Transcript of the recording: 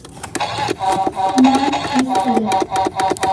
None is correct.